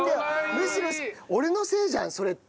むしろ俺のせいじゃんそれって。